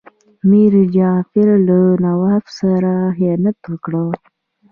میر جعفر له نواب سره خیانت وکړ.